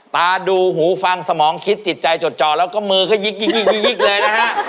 ตาดูหูฟังสมองคิดจิตใจจดจ่อแล้วก็มือก็ยิกเลยนะฮะ